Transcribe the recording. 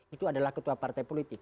itu adalah ketua partai politik